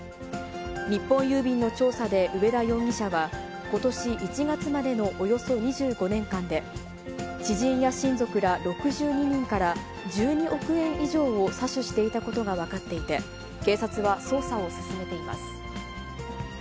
日本郵便の調査で上田容疑者は、ことし１月までのおよそ２５年間で、知人や親族ら６２人から、１２億円以上を詐取していたことが分かっていて、警察は捜査を進めています。